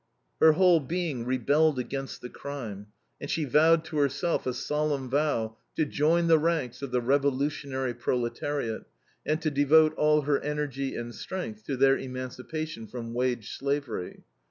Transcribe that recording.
Her whole being rebelled against the crime, and she vowed to herself a solemn vow to join the ranks of the revolutionary proletariat and to devote all her energy and strength to their emancipation from wage slavery.